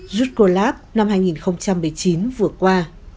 rút collab năm hai nghìn một mươi chín vừa qua